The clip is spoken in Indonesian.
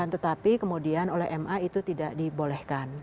tetapi kemudian oleh ma itu tidak dibolehkan